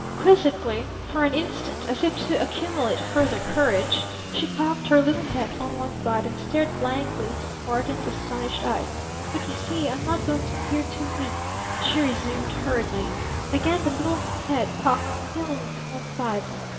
Quizzically for an instant, as if to accumulate further courage, she cocked her little head on one side and stared blankly into Barton's astonished eyes. "But you see I'm not going to be here two weeks!" she resumed hurriedly. Again the little head cocked appealingly to one side.